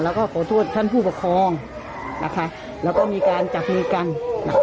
แล้วก็ขอโทษท่านผู้ปกครองนะคะแล้วก็มีการจับมือกันนะคะ